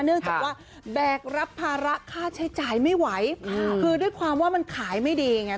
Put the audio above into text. เนื่องจากว่าแบกรับภาระค่าใช้จ่ายไม่ไหวคือด้วยความว่ามันขายไม่ดีไง